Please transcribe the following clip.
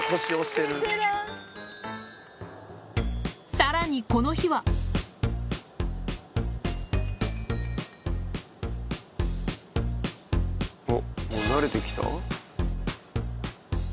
さらにこの日は慣れてきた？